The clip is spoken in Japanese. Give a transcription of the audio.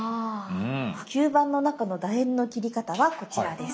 吸盤の中のだ円の切り方はこちらです。